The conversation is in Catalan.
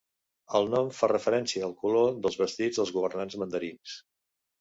El nom fa referència al color dels vestits dels governants mandarins.